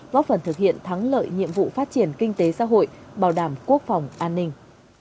góp phần thực hiện thắng lợi nhiệm vụ phát triển kinh tế xã hội bảo đảm quốc phòng an ninh